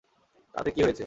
তাতে কি হয়েছে?